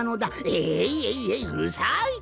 「えいえいえいうるさい」と。